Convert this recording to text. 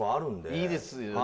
いいですよね。